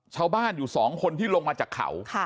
ชาวบ้านอยู่๒คนที่ลงมาจากเขา